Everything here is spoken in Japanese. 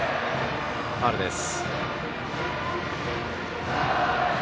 ファウルです。